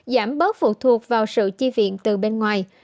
giảm bớt phụ thuộc vào sự chi viện từ bên ngoài